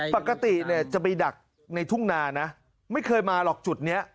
ปกติเนี่ยจะไปดักในทุ่งนานะไม่เคยมาหรอกจุดนี้